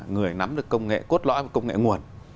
người nắm được công nghệ cốt lõi và công nghệ nguồn